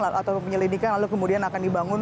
atau penyelidikan lalu kemudian akan dibangun